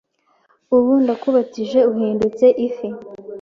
ubu ndakubatije uhindutse ifi".